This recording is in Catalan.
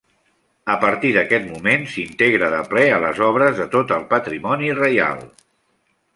A partir d'aquest moment s'integra de ple a les obres de tot el patrimoni reial.